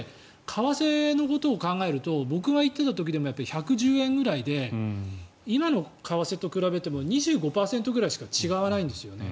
為替のことを考えると僕が行っていた時でもやっぱり１１０円ぐらいで今の為替と比べても２５％ぐらいしか違わないんですよね。